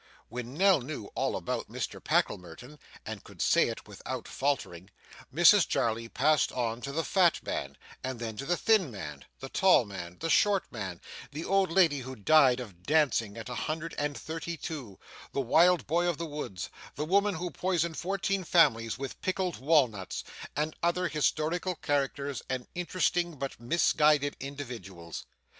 When Nell knew all about Mr Packlemerton, and could say it without faltering, Mrs Jarley passed on to the fat man, and then to the thin man, the tall man, the short man, the old lady who died of dancing at a hundred and thirty two, the wild boy of the woods, the woman who poisoned fourteen families with pickled walnuts, and other historical characters and interesting but misguided individuals.